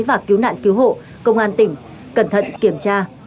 và cứu nạn cứu hộ công an tỉnh cẩn thận kiểm tra